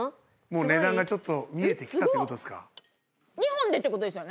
もう値段がちょっと見えてきたっていう事ですか？